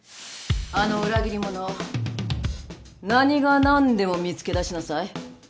あの裏切り者を何が何でも見つけ出しなさい